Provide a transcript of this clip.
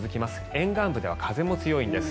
沿岸部では風も強いんです。